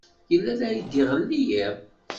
Yella la d-iɣelli yiḍ.